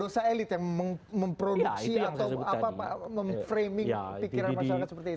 dosa elit yang memproduksi atau memframing pikiran masyarakat seperti itu